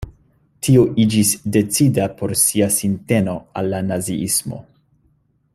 Tio iĝis decida por sia sinteno al la naziismo.